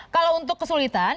kalau untuk kesulitan